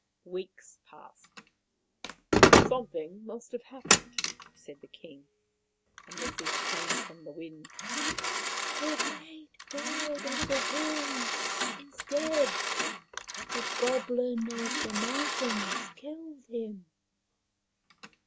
Weeks passed. " Some thing must have happened," said the king. A The Great Bird of the Hills 221 message came from the wind :" The Great Bird of the Hills is dead. The goblin of the mountains killed him."